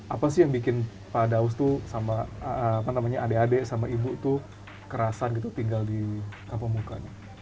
apa sih yang bikin pak daus tuh sama adik adik sama ibu tuh kerasan gitu tinggal di kampung muka